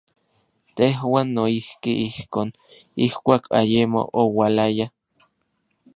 Tejuan noijki ijkon, ijkuak ayemo oualaya.